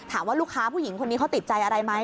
ถามว่าลูกค้าผู้หญิงคนนี้เขาติดใจอะไรไหม